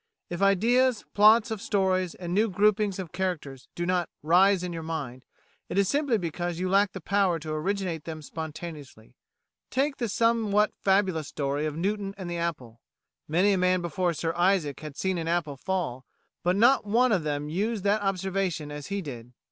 If ideas, plots of stories, and new groupings of character do not "rise" in your mind, it is simply because you lack the power to originate them spontaneously. Take the somewhat fabulous story of Newton and the apple. Many a man before Sir Isaac had seen an apple fall, but not one of them used that observation as he did.